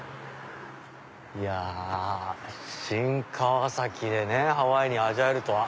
いや新川崎でハワイ味わえるとは。